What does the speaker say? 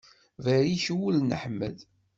Berrik ul n Ḥmed.